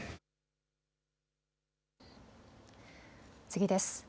次です。